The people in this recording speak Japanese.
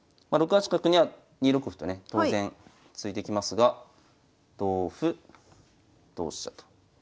八角には２六歩とね当然突いてきますが同歩同飛車と。